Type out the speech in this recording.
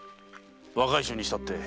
若い衆にしたって。